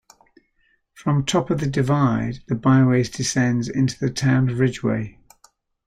From top of the divide the byway descends into the town of Ridgway.